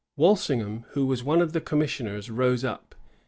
Walsingham, who was one of the commissioners, rose up.